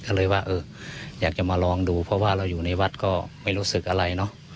ก็เลยว่าเอออยากจะมาลองดูเพราะว่าเราอยู่ในวัดก็ไม่รู้สึกอะไรเนอะ